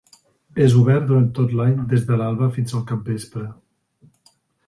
És obert durant tot l'any des de l'alba fins al capvespre.